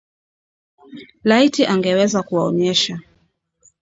Laiti angeweza kuwaonyesha